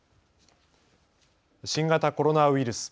新型コロナウイルス。